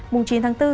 mùng chín tháng bốn